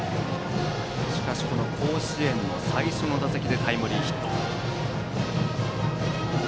しかしこの甲子園の最初の打席でタイムリーヒット。